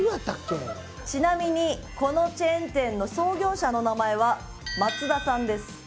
ちなみにこのチェーン店の創業者の名前は松田さんです。